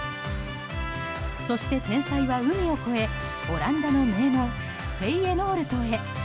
そして、天才は海を越えオランダの名門フェイエノールトへ。